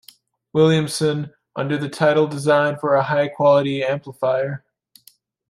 Williamson, under the title Design for a High-quality Amplifier.